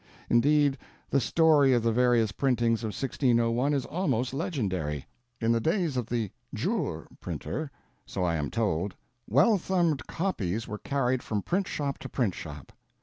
Indeed, the story of the various printings of 1601 is almost legendary. In the days of the "jour." printer, so I am told, well thumbed copies were carried from print shop to print shop.